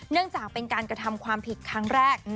เนื่องจากเป็นการกระทำความผิดครั้งแรก